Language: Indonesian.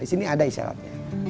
di sini ada isyaratnya